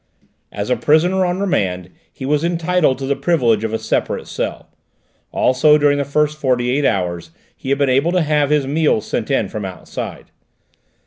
As a prisoner on remand he was entitled to the privilege of a separate cell, also during the first forty eight hours he had been able to have his meals sent in from outside.